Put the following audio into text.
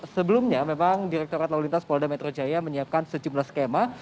sebelumnya memang direkturat lalu lintas polda metro jaya menyiapkan sejumlah skema